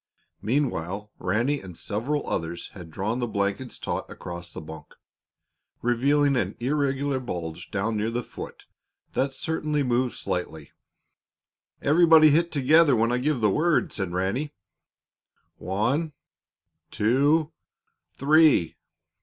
Meanwhile, Ranny and several others had drawn the blankets taut across the bunk, revealing an irregular bulge down near the foot that certainly moved slightly. "Everybody hit together when I give the word," said Ranny. "One, two three!"